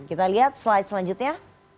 kita lihat slide selanjutnya